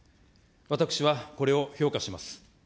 私はこれを評価します。